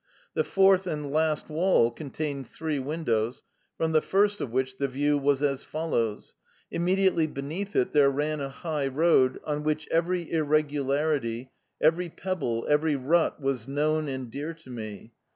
The fourth and last wall contained three windows, from the first of which the view was as follows. Immediately beneath it there ran a high road on which every irregularity, every pebble, every rut was known and dear to me.